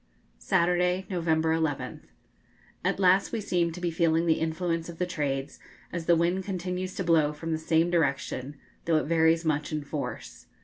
Saturday, November 11th. At last we seem to be feeling the influence of the trades, as the wind continues to blow from the same direction, though it varies much in force.